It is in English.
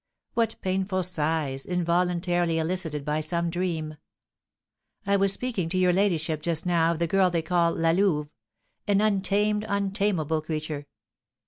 What painful sighs, involuntarily elicited by some dream. I was speaking to your ladyship just now of the girl they call La Louve, an untamed, untamable creature.